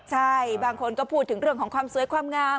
ใช่บางคนก็พูดถึงเรื่องของความสวยความงาม